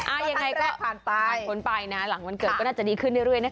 อ่ายังไงก็ผ่านไปนะหลังวันเกิดก็น่าจะดีขึ้นเรื่อยนะ